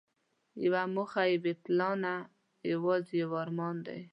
یوه موخه بې پلانه یوازې یو ارمان دی.